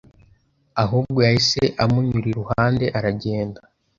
ahubwo yahise amunyura iruhande aragenda.